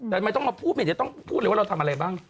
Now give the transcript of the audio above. แต่ทำไมต้องมาพูดไม่จะต้องพูดเลยว่าเราทำอะไรบ้าง